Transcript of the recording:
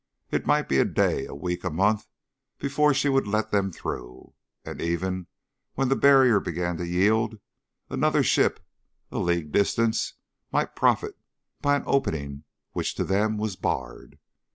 It might be a day, a week, a month before she would let them through, and, even when the barrier began to yield, another ship, a league distant, might profit by an opening which to them was barred.